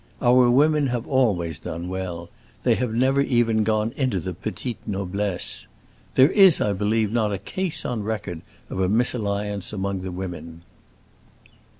Our women have always done well; they have never even gone into the petite noblesse. There is, I believe, not a case on record of a misalliance among the women."